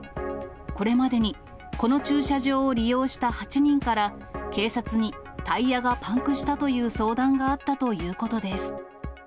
これまでにこの駐車場を利用した８人から、警察にタイヤがパンクしたという相談があったということです。